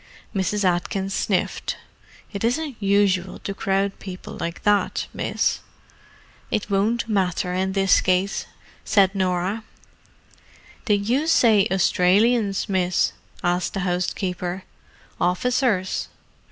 Mrs. Atkins sniffed. "It isn't usual to crowd people like that, miss." "It won't matter in this case," said Norah. "Did you say Australians, miss?" asked the housekeeper. "Officers?"